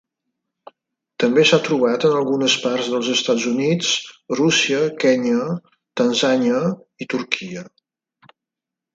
També s'ha trobat en algunes parts dels Estats Units, Rússia, Kenya, Tanzània i Turquia.